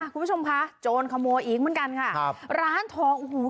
คุณผู้ชมคะโจรขโมยอีกเหมือนกันค่ะครับร้านทองโอ้โห